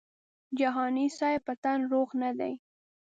جهاني صاحب په تن روغ نه دی.